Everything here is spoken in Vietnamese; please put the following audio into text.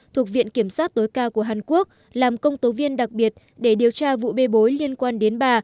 thuộc viện kiểm sát tối cao của hàn quốc làm công tố viên đặc biệt để điều tra vụ bê bối liên quan đến bà